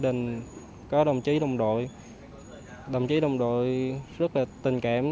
mình có đồng chí đồng đội đồng chí đồng đội rất là tình cảm